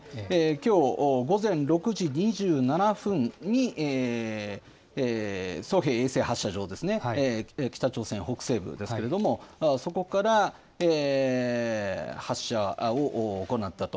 きょう午前６時２７分に、ソヘ衛星発射場ですね、北朝鮮北西部ですけれども、そこから発射を行ったと。